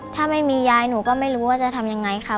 ถ้าไม่มียายหนูก็ไม่รู้ว่าจะทำยังไงค่ะ